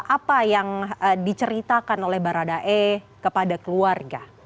apa yang diceritakan oleh baradae kepada keluarga